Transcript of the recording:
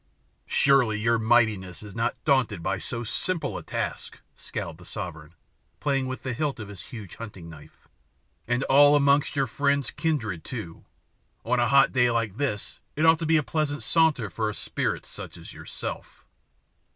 "Surely your mightiness is not daunted by so simple a task," scowled the sovereign, playing with the hilt of his huge hunting knife, "and all amongst your friends' kindred too. On a hot day like this it ought to be a pleasant saunter for a spirit such as yourself."